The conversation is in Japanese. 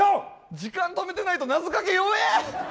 時間止めてないと謎かけ、弱え。